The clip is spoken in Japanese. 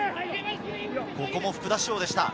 ここも福田師王でした。